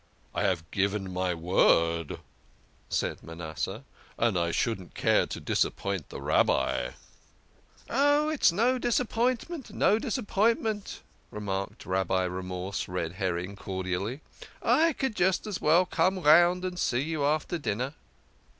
"I have given my word," said Manasseh, "and I shouldn't care to disappoint the Rabbi." " Oh, it's no disappointment, no disappointment," re THE KING OF SCHNORRERS. 91 marked Rabbi Remorse Red herring cordially, "I could just as well come round and see you after dinner."